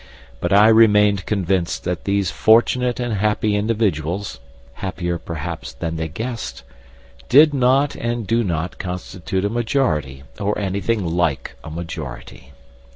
But I remain convinced that these fortunate and happy individuals (happier perhaps than they guessed) did not and do not constitute a majority, or anything like a majority.